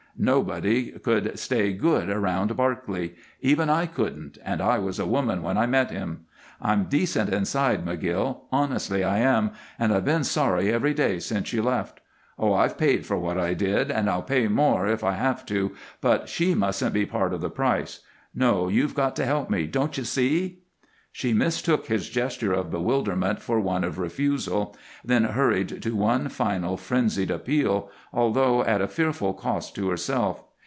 Nobody could stay good around Barclay. Even I couldn't, and I was a woman when I met him. I'm decent, inside, McGill. Honestly I am, and I've been sorry every day since you left. Oh, I've paid for what I did! And I'll pay more, if I have to, but she mustn't be part of the price. No! You've got to help me. Don't you see?" She mistook his gesture of bewilderment for one of refusal, then hurried to one final, frenzied appeal, although at a fearful cost to herself.